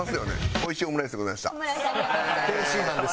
おいしいオムライスでございました。